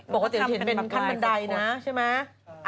บอกว่าจะเป็นขั้นบันไดนะใช่ไหม